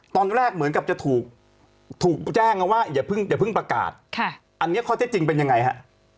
ตอนแรกเหมือนกับจะถูกแจ้งว่าอย่าเพิ่งอย่าเพิ่งประกาศอันนี้ข้อเท็จจริงเป็นยังไงฮะ